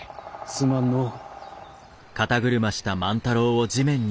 すまんのう。